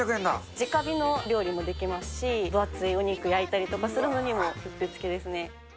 じか火の料理もできますし、分厚いお肉焼いたりとかするのにも、うってつけですね。